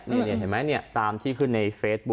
เห็นไหมเนี่ยตามที่ขึ้นใน